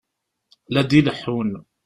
La d-ileḥḥun.